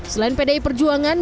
selain pdi perjuangan